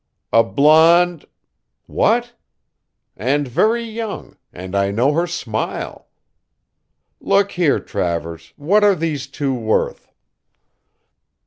"A blonde" "What?" "And very young, and I know her smile" "Look here, Travers, what are these two worth?"